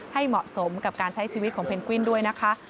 ให้เหมาะสมกับการใช้ชีวิตของเพนกวินด้วยนะคะ